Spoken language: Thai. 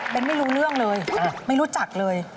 เป็นไม่รู้เรื่องเลยไม่รู้จักเลย